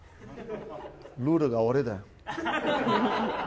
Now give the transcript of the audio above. ルールが俺だよ。